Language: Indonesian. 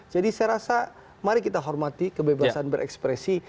jadi saya rasa mari kita hormati kebebasan berekspresi